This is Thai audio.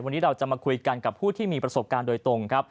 วันนี้เราจะมาคุยกันกับผู้ที่มีประสบการณ์โดยตรงครับ